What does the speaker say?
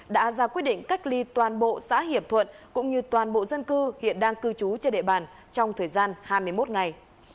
đã ra quyết định cách ly toàn bộ xã hiệp thuận cũng như toàn bộ dân cư hiện đang cư trú trên địa bàn trong thời gian hai mươi một ngày